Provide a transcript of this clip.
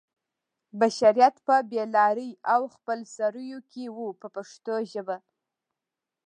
بشریت په بې لارۍ او خپل سرویو کې و په پښتو ژبه.